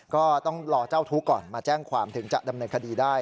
ก็ต้องรอเจ้าทุกข์ก่อนมาแจ้งความถึงจะดำเนินคดีได้